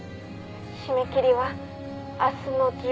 「締め切りは明日の１４時」